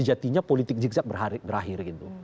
sejatinya politik zigzag berakhir gitu